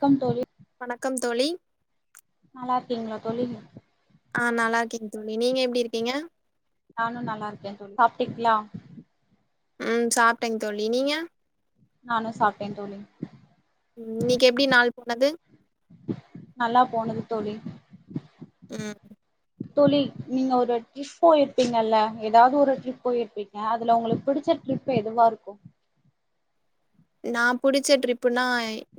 Come தோழி வணக்கம் தோழி நல்லா இருக்கீங்ளா தோழி ஆ நல்லா இருக்கேங் தோழி நீங்க எப்டி இருக்கீங்க நானு நல்லா இருக்கே தோழி சாப்ட்டிட்யா ம் சாப்ட்டேங் தோழி நீங்க நானு சாப்ட்டே தோழி ம் இன்னைக் எப்டி நாள் போனது நல்லா போனது தோழி ம் தோழி நீங்க ஒரு ட்ரிஃப் போயிருப்பீங்கல எதாது ஒரு ட்ரிப் போயிருப்பிங்க அதுல ஒங்களுக் புடிச்ச ட்ரிப் பு எதுவா இருக்கு நா புடிச்ச ட்ரிப்புனா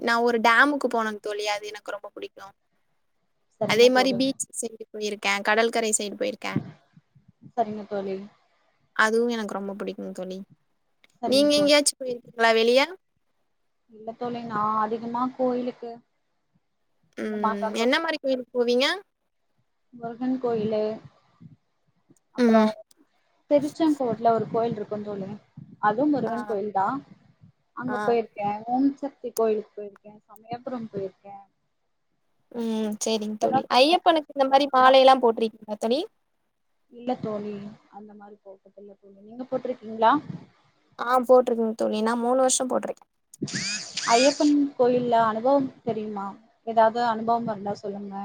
நா ஒரு டேமுக்கு போன தோழி அது எனக்கு ரொம்ப புடிக்கு அதே சரிங்க மாரி தோழி பீச் சைடு போயிருக்க கடல்கரை சைடு போய்ரு சரிங்க தோழி அதுவு எனக்கு ரொம்ப புடிக்குங் தோழி சரிங்க நீங்க தோழி எங்யாச்சு போய்ர்க்கிங்ளா வெளிய இல்ல தோழி நா அதிகமா கோயிலுக்கு இந்த மாரிதா ம் தோழி என்ன மாரி கோயிலுக் போவீங்க முருகன் கோயிலு அப்றோ ம் திருச்செங்கோட்ல ஒரு கோயில்ருக்கு தோழி அதும் ஆ முருகன் கோயில்தா அங்க ஆ பேய்ர் கே ஓம்சக்தி கோயிலுக் போயிருக்கே சமயபுரம் போயிர்க்கே ம் செரிங் தோழி ஐயப்பனுக்கு இந்த மாரி ஃபுல்லா மாலேலா போட்ருக்கிங்ளா தோழி இல்ல தோழி அந்த மாரி போட்டதில்ல தோழி நீங்க போட்ருக்கீங்ளா ஆ போட்ருக்கங் தோழி நா மூணு வர்ஷோ போட்ருக்கே ஐயப்பன் கோவில்ல அனுபவம் தெரிமா எதாது அனுபவ்ம் இருந்தா சொல்லுங்க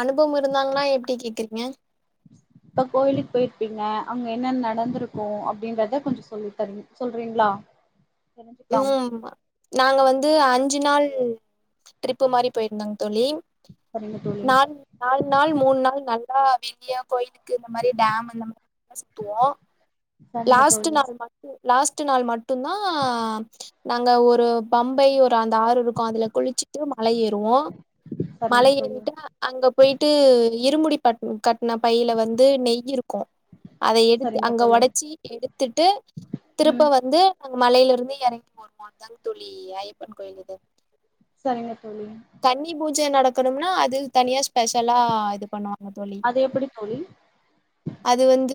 அனுபவ்ம் இருந்தான்லா எப்டி கேக்குறீங்க [inaudible] இப்ப கோயிலுக் பேய்ர்ப்பீங்க அங்க என்ன நடந்துருக்கு அப்டின்றத கொஞ்சு சொல்லி தரிங் சொல்றீங்ளா [inaudible] ம் நாங்க வந்து அஞ்சு நாள் ட்ரிப்பு மாரி பேய்ர்ந்தங் தோழி சரிங்க தோழி நான் நால் நாள் மூணு நாள் நல்லா வெளிய கோயிலுக்கு இந்த மாரி டேம் இந்த மாரி [inaudible] லா சுத்துவோ சரிங்க லாஸ்ட்டு தோழி நாள் மட் லாஸ்ட்டு நாள் மட்டுந்தா நாங்க ஒரு பம்பை ஒரு அந்த ஆறு இருக் கு அதுல குளிச்சுட்டு மல ஏறுவோ சரிங்க மலை தோழி ஏறிட்டா அங்க போய்ட்டு இருமுடி பட்ணு கட் ன பைல வந்து நெய் இருக்கு அத எடுத்து சரிங்க அங்க தோழி ஒட எடுத்துட்டு ம் திருப்பவ ந்து அங்க மலைல இருந்து எறங்கி போர்மோன்தாங் தோழி ஐயப்பன் கோயில் இது சரிங்க தோழி கன்னி பூஜ நடக்கணும்னா அது தனியா ஸ்பெஷலா இது பண்ணுவாங்க தோழி அது எப்படி தோழி அது வந்து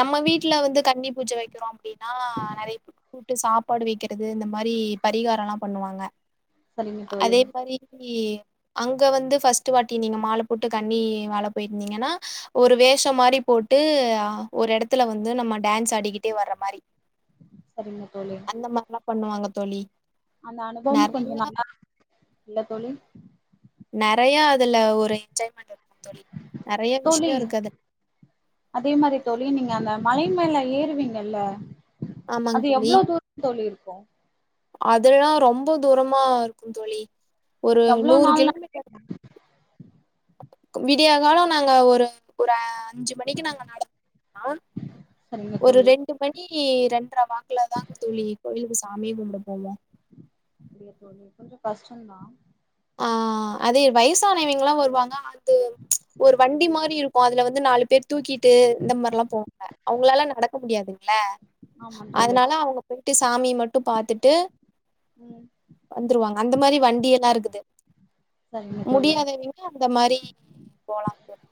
நம்ம வீட்ல வந்து கன்னி பூஜ வை கிறோ அப்டினா நெறைய கூட்டு சாப்பாடு வைக்கிறது இந்த மாதிரி பரிகாரோலா பண்ணுவாங்க சரிங்க தோழி அதே மாரி அங்க வந்து ஃபர்ஸ்ட்டு வாட்டி நீங்க மால போட்டு கன்னி மேல போயிருந்தீங்கனா ஒரு வேஷோ மாரி போட்டு, ஒரு எடத்துல வந்து நம்ம டேன்ஸ் ஆடிக்கிட்டே வர்ற மாரி. சரிங்க தோழி இந்த மார்லா பண்ணுவாங்க தோழி. அந்த அனுபவம் கொஞ்சோ நெறைய நல்லா [inaudible] இல்ல தோழி நெறைய அதுல ஒரு என்ஜாய்மெண்ட் இருக்கு தோழி, நெறைய விஷயோ தோழி இருக்கு அதுல அதே மாரி தோழி, நீங்க அந்த மலை மேல ஏறுவீங்கள்ல ஆமாங் தோழி அதுல்லா ரொம்ப தூரமா இருக்கு தோழி. ஒரு எவ்ளோ நூறு நாள் நட கிலோமீ விடியா கால நாங்க ஒரு ஒரு அஞ்சு மணிக்கு நாங்க நடந்தோம்னா சரிங்க ஒரு தோழி ரெண்டு மணி ரெண்டர வாக்கலுதாங் தோழி கோயிலுக்கு சாமியே கும்பட போவோ அப்டியா தோழி, கொஞ்சோ கஷ்டந்தா ஆ அதே வயசானவிங்கலா வருவாங்க. அது ஒரு வண்டி மாரி இருக்கு அதுல வ ந்து நாலு பேர் தூக்கிட்டு, இந்த மாரிலாம் போவாங்க. அவங்களால நடக்க முடியாதுங்ள ஆமா தோழி அதனால அவுங்க போய்ட்டு சாமி மட்டு பாத்துட்டு ம் வந்துருவாங்க அந்த மாரி வண்டி எல்லா இருக்குது. சரிங்க தோழி முடியாதவிங்க அந்த மாரி போலாம் தோழி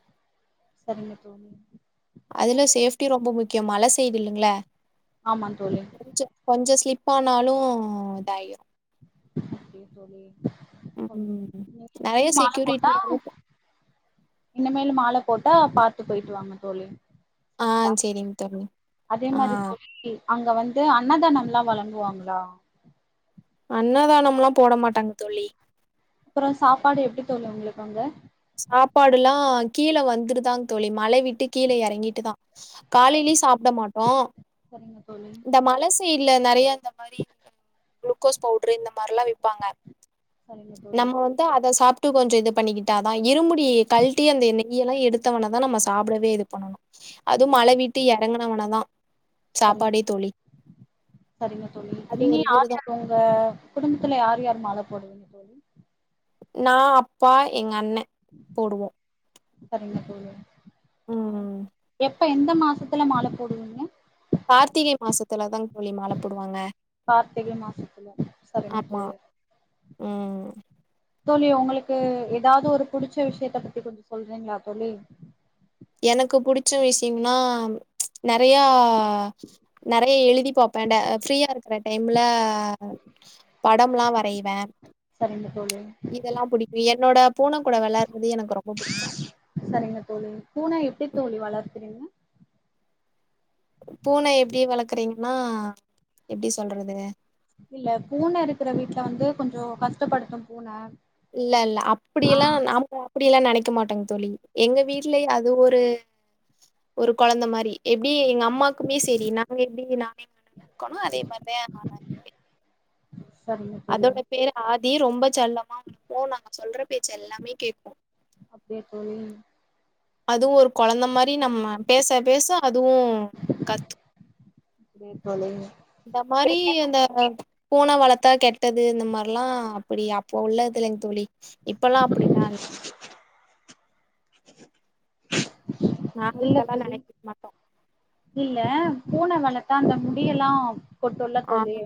சரிங்க தோழி அதுல சேஃப்டி ரொம்ப முக்கியம் மல சைடு இல்லைங்ள ஆமா தோழி கொஞ்சோ கொஞ்சோ ஸ்லிப் ஆனாலு இதாயுரு அப்டியா தோழி, [inaudible] ம் நீங்க நெறைய இன்னமேலு மால செக்யூரிட்டி போட்டா நெறைய ப இன்னமேலு மாலை போட்டா பாத்து போயிட்டு வாங்க தோழி. ஆ சரிங்களா தோழி சேரிங்க அதே ஆ மாரி தோழி அங்க வந்து அன்னதானம்லா வழங்குவாங்ளா அன்னதானம்லா போட மாட்டாங்க தோழி. அப்றோ சாப்பாடு எப்டி தோழி ஒங்ளுக்கு அங்க சாப்பாடெல்லா கீழ வந்துட்டுதா தோழி மலை விட்டு கீழ எறங்கிட்டுதா காலையிலயு சாப்ட மாட்டோ சரிங்க தோழி இந்த மல சைட்ல நெறையா இந்த மாரி குளுக்கோஸ் பவுட்ரு இந்த மாரிலா விப்பாங்க சரிங்க தோழி நம்ம வந்து அத சாப்ட்டு கொஞ்ச இது பண்ணிக்கிட்டாதா இருமுடி கழ்ட்டி அந்த நெய்யெல்லா எடுத் தவன தா நம்ம சாப்டவே இது பண்ணணு அது மலவிட்டு எறங்கனவன தா சரிங்க தோழி சரிங்க தோழி அது நீங்க ஒரு யார் விரதோ யார் ஒ ங்க குடும்பத்ல யார் யார் மால போடுவீங் தோழி நா அப்பா எங்க அண்ண போடுவோ சரிங்க தோழி அவுங்க ம். எப்ப எந்த மாசத்துல மால போடுவீங்க கார்த்திகை மாசத்துலதாங் தோழி மால போடுவாங்க கார்த்திகை மாசத்துல சரிங்க ஆமா. தோழி ம். தோழி ஒங்களுக்கு எதாவ்து ஒரு புடிச்ச விஷயத்தப்பத்தி கொஞ்ச சொல்றீங்ளா தோழி எனக்கு புடிச்ச விஷயம்னா நெறையா நெறைய எழுதி பாப்பேன் ட ஃப்ரீயா இருக்குற டைம்ல ஆ படம்லா வரையில சரிங்க தோழி இதெல்லா புடிக்கும்என்னோட பூனக்கூட வெளாட்றது எனக்கு ரொம்ப புடிக்கு செரிங்க தோழி பூன எப்டி தோழி வளக்குறீங்க பூன எப்டி வளர்க்குறீங்கன்னா எப்டி சொல்றது இல்ல பூன இருக்கிற வீட்ல வந்து கொஞ்சோ கஷ்டப்படுத்தும் பூன இல்லல்ல ஆ அப்டியெல்லா நாம அப்டியெல்லா நெனைக்க மாட்டோங்க தோழி எங்க வீட்லயே அது ஒரு ஒரு கொழந்தமாரி எப்டி எங்க அம்மாக்குமே செரி நாங்க எப்டி நானே வளக் குறங்களோ அதே மாரிதா ஏ [unintelligible] செரிங்க தோழி பேரு ஆதி ரொம்ப செல்லமா வளப்போ நாங்க சொல்ற பேச்ச எல்லாமே கேக்கு அப்டியே தோழி அதுவொரு கொழந்த மாரி நம்ம பேச பேச அதுவு கத்து அப்டியா தோழி இந்த மாரி அந்த பூன வளத்தா கெட்டது இந்த மாரிலா அப்டி அப்ப உள்ளதில்லிங்க தோழி இப்பல்லா அப்டி மாரி நாங்க இல்ல அதெல்லா தோழி நெனைக்க மாட்டோ இல்ல பூன வளத்தா அந்த முடியெல்லா கொட்டுள்ள ஆ தோழி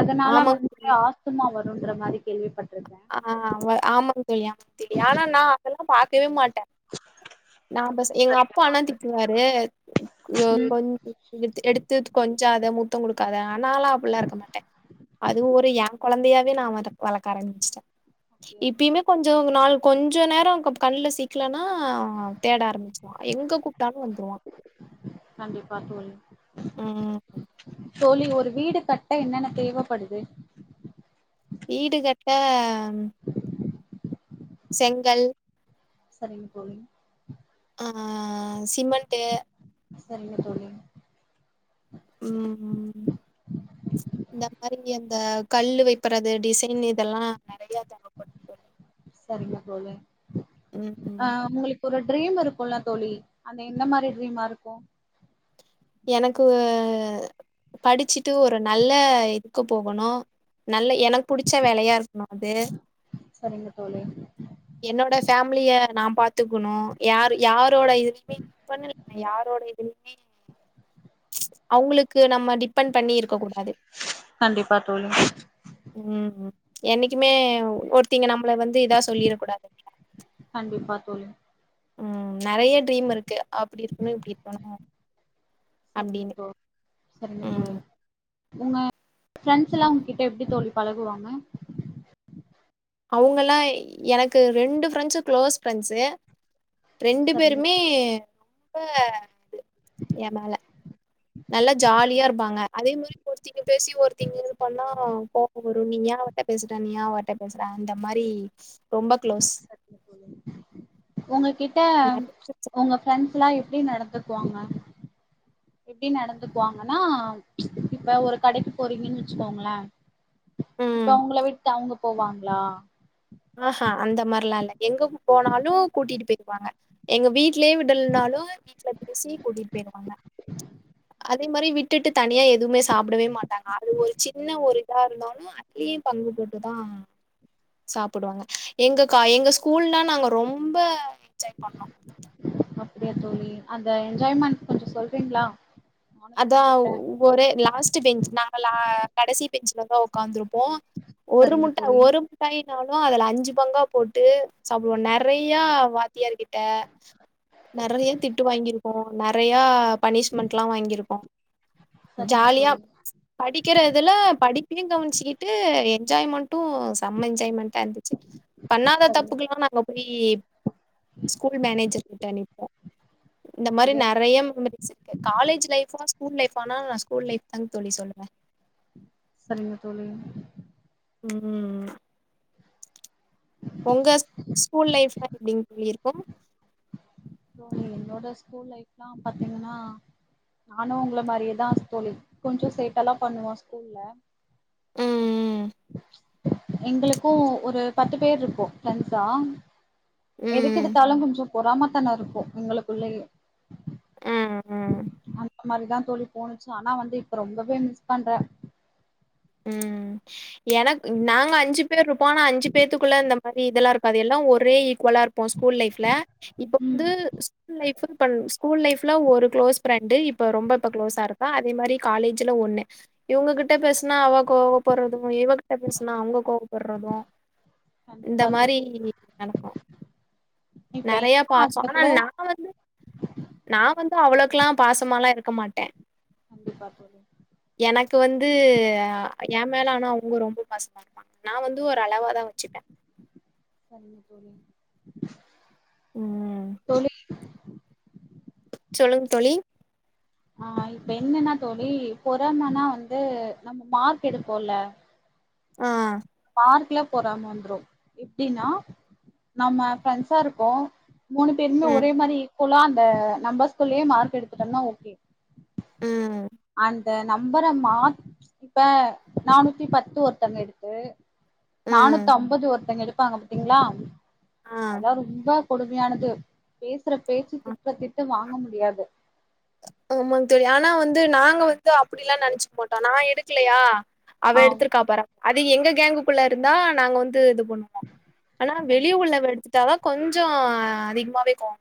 அதனால ஆமாங் வந்து ஆஸ்த்துமா வருன்ற மாரி கேள்விப்பட்ருக்கே ஆ வ ஆமாங்க தோழி ஆமாங்க தோழி ஆனா நா அதெல்லா பாக்கவே மாட்டே நா பஸ் எங்க அப்பா ஆனா திட்டுவாரு எ ம் கொஞ் டுத்து எடுத்து கொஞ்சாத முத்தோ கொடுக்காத ஆ நாலா அப்ட்ல்லா இருக்க மாட்டே அதுவு ஒரு [unintelligible] கொழந்தையாவே நா த அத வளக்க ஆரம்பிச்சிட்டே இப்யுமே கொஞ்சோ நாளு கொஞ்ச நேர கண்ல சிக் க்கலனா தேட ஆரம்பிச்சிருவா எங்க கூப்ட்டானு வந்துருவா கண்டிப்பா தோழி ம் ம் ம் தோழி ஒரு வீடு கட்ட என்னென்ன தேவப்படுது வீடு கட்ட செங்கல் செரிங்க தோழி ஆ சிமெண்ட்டு செரிங்க தோழி ம் ம் இந்த மாரி அந்த கல்லு வைப்பறது டிசைன் இதெல்லா நெறையா தேவப் சரிங்க தோழி ம் ம் ஆ உங்களுக்கு ஒரு ட்ரீம் இருக்கும்ல்ல தோழி அது எந்த மாரி ட்ரீமா இருக்கும் எனக்கு படிச்சுட்டு ஒரு நல்ல இதுக்கு போகணும் நல்ல எனக்கு புடிச்ச வேலையா இருக்கணும் அது சரிங்க தோழி என்னோட ஃபேமிலிய நான் பாத்துக்கணும் யார் யாரோட இதுலயுமே பண்ணலண்ண யாரோட இதுலுமே அவங்களுக்கு நம்ம டிபெண்ட் பண்ணி இருக்க கூடாது கண்டிப்பா தோழி ம் என்னைக்குமே ஒருத்திங்க நம்மளை வந்து இதா சொல்லிட கூடாது கண்டிப்பா தோழி ம் நெறைய ட்ரீம் இருக்கு அப்டி இருக்கணும் இப்டி இருக்கணும் சரிங்க ப்ரோ சரிங்க தோழி ம் உங்க ஃரெண்ட்ஸ் எல்லாம் உங்கட்ட எப்டி தோழி பழகுவாங்க அவங்கல்லாம் எனக்கு ரெண்டு ஃப்ரெண்ட்ஸும் க்ளோஸ் ஃப்ரெண்ட்ஸு ரெண்டு சரிங்க பேருமே தோழி ரொம்ப இது என் மேல நல்லா ஜாலியா இருப்பாங்க அதே மாரி ஒருத்திங்க பேசி ஒருத்திங்க இது பண்ணா கோப வரும் நீ ஏ பேசுற நீ அவட்ட பேசுறே அந்த மாரி ரொம்ப க்ளோஸ் உங்க கிட்ட நெறைய உங்க ஃரெண்ட்ஸ்லாம் எப்டி நடந்துக்குவாங்க எப்டி நடந்துக்குவாங்கன்னா இப்ப ஒரு கடைக்கு போறீங்கன்னு வச்சுக்கோங்களேன் இப்ப ம். உங்கள விட்டு அவங்க போவாங்களா அஹன் அந்த மார்லாம் இல்ல எங்க போனாலும் கூட்டிட்டு போய்க்குவாங்க எங்க வீட்லயே விடல்னாலும் வீட்டுல பேசி கூட்டிட்டு போயிடுவாங்க அதே மாரி விட்டுட்டு தனியா எதுவுமே சாப்டவே மாட்டாங்க அது ஒரு சின்ன ஒரு இதா இருந்தாலும் அதுலயும் பங்கு போட்டுதா சாப்டுவாங்க எங்க எங்க ஸ்கூல்னா நாங்க ரொம்ப என்ஜாய் பண்ணோ அப்டியா தோழி அந்த என்ஜாய்மெண்ட் கொஞ்ச சொல்றீங்களா நானு அதா தெரிஞ்சுக்கிறே ஒரே லாஸ்ட் பெஞ்ச் நாங்கலா கடசி பெஞ்ச்லதா ஒக்காந்துருப்போம் ஒரு சரிங்க முட்ட தோழி ஒரு டைனாலும் அதுல அஞ்சு பங்கா போட்டு சாப்டுவோம் நறைய வாத்தியார் கிட்ட நறைய திட்டு வாங்கிருக்கோ நறைய ப பனிஷ்மெண்ட்லா வாங்கிருப்கோம் சரிங்க ஜாலியா தோழி படிக்கிறதுல படிப்பையும் கவனிச்சிக்கிட்டு என்ஜாய்மெண்ட்டும் செம் என்ஜாய்மெண்ட்டா இருந்துச்சு பண்ணாத சரிங்க தப்புக்கலாம் நாங்க போய் ஸ்கூல் மேனேஜர் கிட்ட நிப்போம் இந்த மாரி அப்டியா நறைய மெமரிஸ் இருக்கு காலேஜ் லைஃப் ஸ்கூல் லைஃப்பானா நா ஸ்கூல் லைஃப் தா தோழி சொல்வேன் சரிங்க தோழி ம் உங்க ஸ்கூல் லைஃப்ல எப்டிங்க தோழி இருக்கு என்னோட ஸ்கூல் லைஃப்லாம் பாத்தீங்கன்னா நானும் உங்கள மாரியேதா தோழி கொஞ்ச சேட்டல்லாம் பண்ணுவ ஸ்கூல்ல ம் எங்களுக்கும் ஒரு பத்து பேர் இருப்போ ஃப்ரெண்ட்ஸா ம் எதுக்கெடுத்தா லும் கொஞ்ச பொறாம தனம் இருக்கும் எங்களுக்குள்ளயே ம் ம் அந்த மாரிதா தோழி தோணுச்சு ஆனா வந்து இப்ப ரொம்பவே மிஸ் பண்றோ ம் என நாங்க அஞ்சு பேர் இருப்போம் ஆனா அஞ்சு பேத்தக்குள்ள இந்த மாரி இதல்லாம் இருக்காது எல்லாம் ஒரே ஈக்குவலா இருப்போம் ஸ்கூல் லைஃப்ல இப்ப வந்து ஸ்கூல் லைஃப் இ ஸ்கூல் லைஃப்ல ஒரு களோஸ் ஃபிரண்டு இப்போ ரொம்ப இப்போ க்ளோஸா இருப்ப அத மாரி காலேஜ்ல ஒண்ணு இவங்ககிட்ட பேசுனா அவ கோவப்பறதும் இவகிட்ட பேசுனா அவங்க கோவப்படுறதும் இந்த கண்டிப்பா மாரி தோழி நடக்கும் இப்ப நறைய என்ன பாசம் அதுல ஆனா கூட நா வந்து நா வந்து அவ்ளவுக்கல்லாம் பாசமாலா இருக்க மாட்டே கண்டிப்பா தோழி எனக்கு வந்து என் மேல ஆனா அவங்க ரொம்ப பாசமா இருப்பாங்க நா வந்து ஒரு அளவா தா வச்சுப்ப சரிங்க தோழி ம் தோழி சொல்லுங்க தோழி ஆ இப்ப என்னன்னா தோழி பொறாமனா வந்து நம்ம மார்க் எடுப்போல்ல ம் மார்க்ல பொறாம வந்துரு எப்டின்னா நம்ம ஃப்ரெண்ட்ஸா இருக்கோ மூணு பேருமே ம், ஒரே மாதிரி ஈக்குவலா அந்த நம்பர்ஸ்குள்ளயே மார்க் எடுத்துட்டோன்னா ஓகே ம், அந்த நம்பர மாத் இப்ப நானூத்தி பத்து ஒருத்தங்க எடுத்து ம், நானூத்தி ஐம்பது ஒருத்தங்க எடுப்பாங்க பாத்தீங்களா ஆ. அதா ரொம்ப கொடுமையானது பேசுற பேச்சு திட்றத்திட்டு வாங்க முடியாது ஆமாங்க தோழி ஆனா வந்து நாங்க வந்து அப்டில்லா நெனச்சுக்க மாட்டோ நா எடுக்கலையா அவ ஆ எடுத்திருக்காப் பாற அது எங்க கேங்குக்குள்ள இருந்தா நாங்க வந்து இது பண்ணு ஆனா வெளி கண்டிப்பா உலக எடுத் திட்டாவா கொஞ்சோ அதிகமாவே கோவ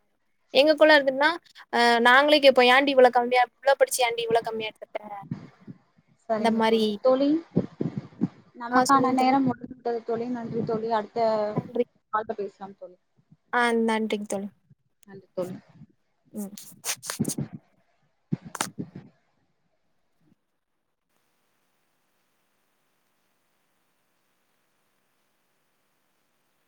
எங்கக்குள்ள எடுத்துட்டன்னா அ நாங்களே கெத் இப்ப ஏண்டி இவ்ள கம்மியா இவ்ளோ படிச்சி ஏண்டி இவ்ளோ கம்மியா எடுத்துட்ட இந்த ம் மாரி தோழி ஆ நமக்கான சொல்லுங்க தோழி. நேரம் முடிந்து விட்டது தோழி நன்றி தோழி அடுத்த நன்றி. ஆள்ட்ட பேசலாம் தோழி ஆ நன்றிங் தோழி நன்றி தோழி ம்